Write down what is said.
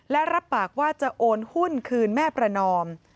และรับปากว่าจะโอนหุ้นคืนแม่ประนอม